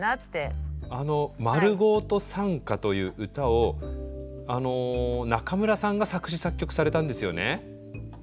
あの「まるごーと賛歌」という歌を中村さんが作詞作曲されたんですよね？